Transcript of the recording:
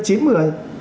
đó là một cái